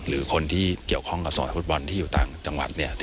หรือคนที่เกี่ยวข้องกับสอยฟุตบอลที่อยู่ต่างจังหวัด